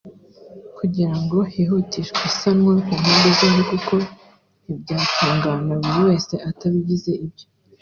kugira ngo hihutishwe isanwa ku mpande zombi kuko ntibyatungana buri wese atabigize ibye